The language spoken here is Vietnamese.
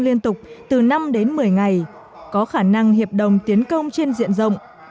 tổ chức đấu tranh liên tục từ năm đến một mươi ngày có khả năng hiệp đồng tiến công trên diện rộng